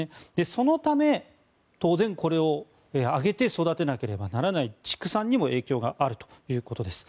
そのため、当然これをあげて育てなければならない畜産にも影響があるということです。